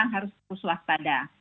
harus bersuas pada